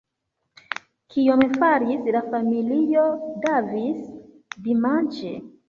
Kion faris la familio Davis dimanĉe?